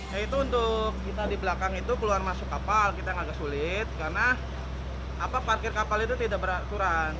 ya itu untuk kita di belakang itu keluar masuk kapal kita agak sulit karena parkir kapal itu tidak beraturan